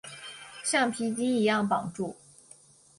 橡皮筋一样绑住